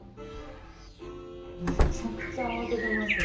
むちゃくちゃ慌ててますね。